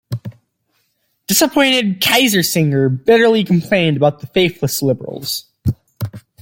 Disappointed Kiesinger bitterly complained about the faithless liberals.